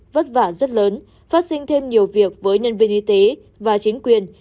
vất vả rất lớn phát sinh thêm nhiều việc với nhân viên y tế và chính quyền